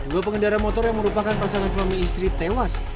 dua pengendara motor yang merupakan pasangan suami istri tewas